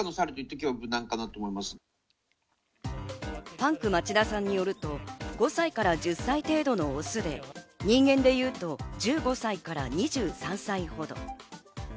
パンク町田さんによると５歳から１０歳程度のオスで、人間でいうと１５歳から２３歳ほど。